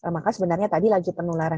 maka sebenarnya tadi laju penularan